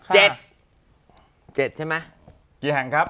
๗ใช่มั้ย